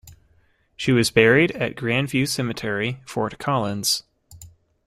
She was buried at Grandview Cemetery, Fort Collins.